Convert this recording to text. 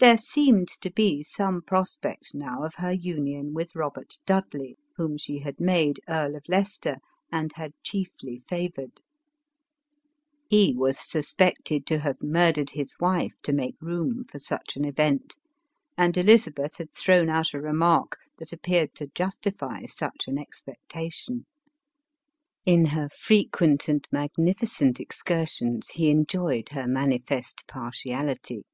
There seemed to be some prospect now of her union with Robert Dudley, whom she had made Earl of Leicester, and had chiefly favored. He was ELIZABETH OF KNC LAN P. 317 suspected to have murdered his wife to make room for such an event ; and Elizabeth had thrown out a re mark that appeared to justify such an expectation. In her frequent and magnificent excursions, he enjoyed her manifest partiality.